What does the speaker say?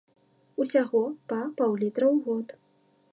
Усяго па паўлітра ў год.